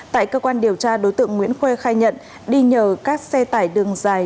tại cơ quan điều tra đối tượng nguyễn khuê khai nhận đi nhờ các xe tải đường dài